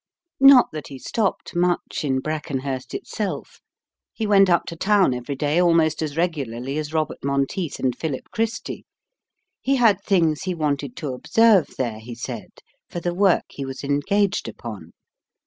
Not that he stopped much in Brackenhurst itself. He went up to town every day almost as regularly as Robert Monteith and Philip Christy. He had things he wanted to observe there, he said, for the work he was engaged upon.